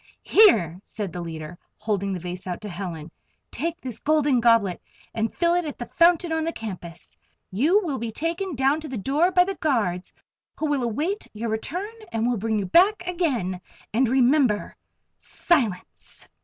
"Here," said the leader, holding the vase out to Helen. "Take this Golden Goblet and fill it at the fountain on the campus. You will be taken down to the door by the guards, who will await your return and will bring you back again. And remember! Silence!"